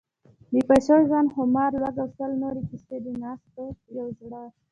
بې پیسو ژوند، خمار، لوږه… او سل نورې کیسې، د نستوه یو زړهٔ: